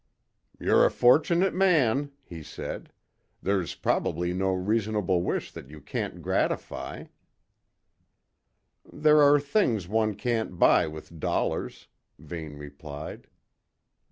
"You're a fortunate man," he said. "There's probably no reasonable wish that you can't gratify." "There are things one can't buy with dollars," Vane replied.